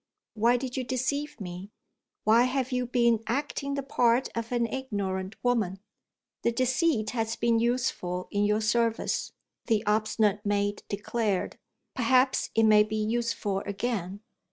"Why did you deceive me? Why have you been acting the part of an ignorant woman?" "The deceit has been useful in your service," the obstinate maid declared. "Perhaps it may be useful again."